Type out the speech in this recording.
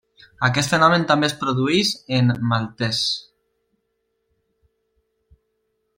Aquest fenomen també es produeix en maltès.